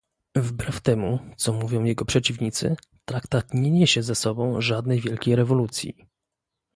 Wbrew temu, co mówią jego przeciwnicy traktat nie niesie ze sobą żadnej wielkiej rewolucji